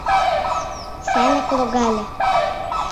Сайынак логале.